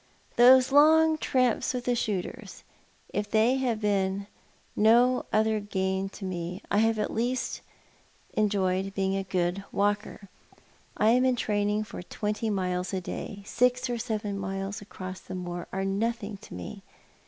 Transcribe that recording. Those long tramps with the shooters, if they have been no other gain to me, have at least made me a good walker. I am in training for twenty miles a day, and six or seven miles across the moor are as nothing to me.